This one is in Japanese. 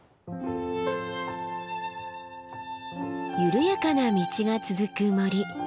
緩やかな道が続く森。